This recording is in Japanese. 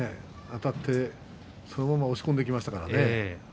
あたってそのまま押し込んでいきましたからね。